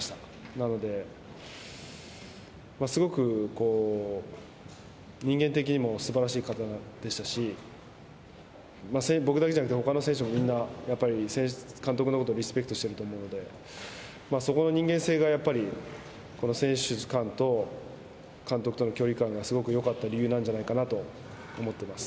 なので、すごくこう、人間的にもすばらしい方でしたし、僕だけじゃなくて、ほかの選手もみんな、やっぱり監督のことリスペクトしていると思うので、そこの人間性がやっぱり、この選手間と、監督との距離感がすごくよかった理由なんじゃないかなと思ってます。